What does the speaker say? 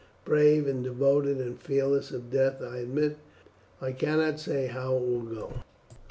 Brave and devoted, and fearless of death I admit, but still a mob. I cannot say how it will go."